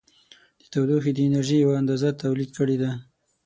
د تودوخې د انرژي یوه اندازه تولید کړې ده.